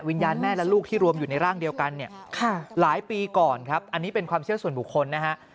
วิญญาณแม่และลูกที่รวมอยู่ในร่างเดียวกันเนี่ยหลายปีก่อนครับอันนี้เป็นความเชื่อส่วนบุคคลนะฮะ